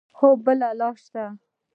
هو، بل لار شته